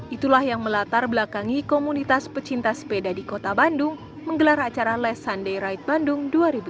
itulah yang melatar belakangi komunitas pecinta sepeda di kota bandung menggelar acara less sunday ride bandung dua ribu dua puluh